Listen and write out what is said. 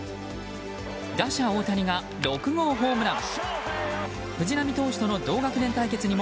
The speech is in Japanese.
打者・大谷が６号ホームラン。